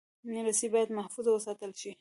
رسۍ باید محفوظ وساتل شي.